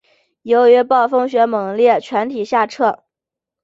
由于暴风雪猛烈全体下撤。